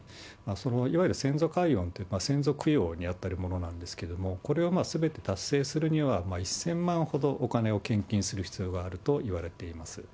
いわゆる先祖解怨というのは、先祖供養に当たるものなんですけれども、これをすべて達成するには、１０００万ほどお金を献金する必要があるといわれています。